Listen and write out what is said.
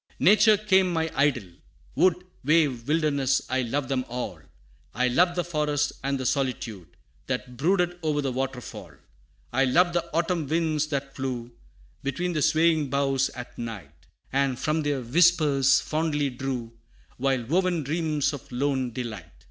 VI. "Nature became my idol; wood, Wave, wilderness, I loved them all; I loved the forest and the solitude, That brooded o'er the waterfall, I loved the autumn winds that flew Between the swaying boughs at night, And from their whispers fondly drew Wild woven dreams of lone delight.